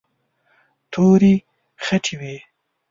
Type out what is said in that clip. تورې خټې وې.